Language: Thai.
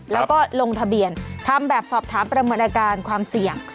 แล้วก็ลงทะเบียนทำแบบสอบถามประเมินอาการความเสี่ยง